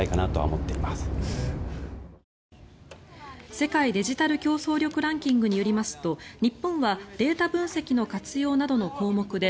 世界デジタル競争力ランキングによりますと日本はデータ分析の活用などの項目で